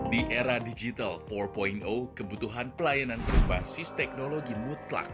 di era digital empat kebutuhan pelayanan berbasis teknologi mutlak